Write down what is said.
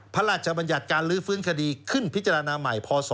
พระราชบัญญัติการลื้อฟื้นคดีขึ้นพิจารณาใหม่พศ